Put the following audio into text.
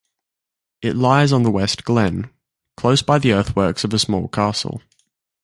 It lies on the West Glen, close by the earthworks of a small castle.